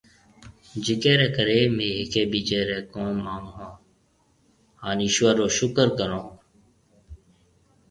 جڪي ري ڪري ميهه هيڪي ٻيجي ري ڪوم آئون ھونهان ايشور رو شڪر ڪرون ۿون۔